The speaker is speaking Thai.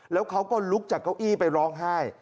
แล้วเขาก็ลุกจากเก้าอี้ไปร้องไห้